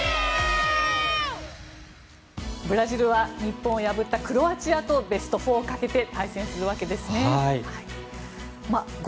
ブラジルは日本を破ったクロアチアをベスト４をかけて対戦するわけですね。